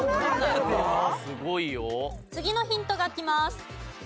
次のヒントがきます。